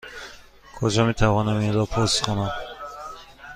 کجا می توانم این را پست کنم؟